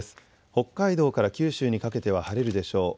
北海道から九州にかけては晴れるでしょう。